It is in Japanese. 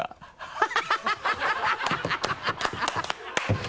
ハハハ